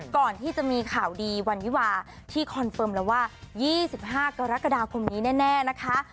ก่อนที่จะมีข่าวดีวันวิวาที่คอนเฟิร์มแล้วว่า๒๕กรกฎาคมนี้แน่นะคะ